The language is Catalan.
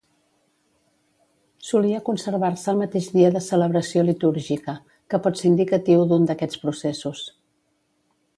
Solia conservar-se el mateix dia de celebració litúrgica, que pot ser indicatiu d'un d'aquests processos.